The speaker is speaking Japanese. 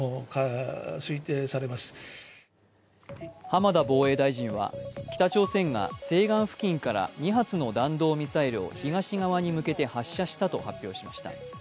浜田防衛大臣は北朝鮮が西岸付近から２発の弾道ミサイルを東側に向けて発射したと発表しました。